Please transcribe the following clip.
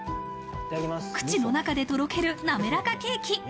口の中でとろけるなめらかケーキ。